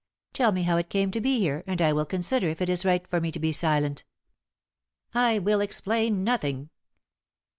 "Tell me how it came to be here, and I will consider if it is right for me to be silent." "I will explain nothing.